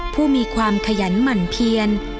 ผู้มีความขยันหมั่นเพียน